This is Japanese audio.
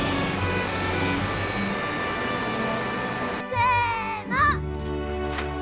せの。